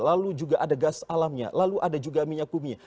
lalu juga ada gas alamnya lalu ada juga minyak kumia